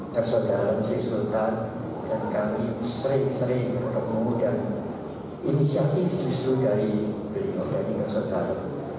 bersaudara sri sultan dan kami sering sering ketemu dan inisiatif disitu dari berimodani bersaudara